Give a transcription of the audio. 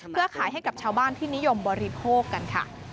เพื่อขายให้กับชาวบ้านที่นิยมบริโภคกันค่ะ